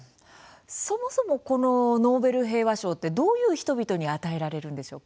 そもそもこのノーベル平和賞ってどういう人々に与えられるんでしょうか。